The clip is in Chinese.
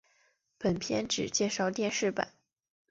本篇只介绍电视版。